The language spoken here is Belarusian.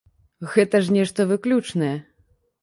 Гэта ж нешта выключнае.